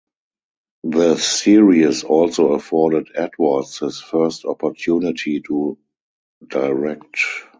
The series also afforded Edwards his first opportunity to direct.